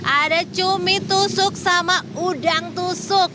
ada cumi tusuk sama udang tusuk